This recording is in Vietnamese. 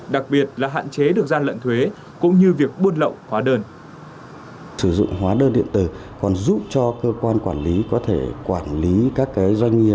đặc biệt là hạn chế được gian lận thuế cũng như việc buôn lậu hóa đơn